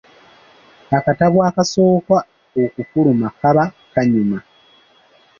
Akatabo akasooka okufuluma kaba kanyuma.